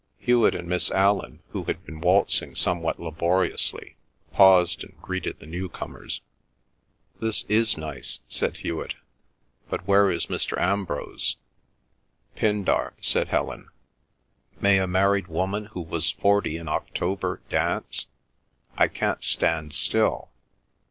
Hewet and Miss Allan, who had been waltzing somewhat laboriously, paused and greeted the newcomers. "This is nice," said Hewet. "But where is Mr. Ambrose?" "Pindar," said Helen. "May a married woman who was forty in October dance? I can't stand still."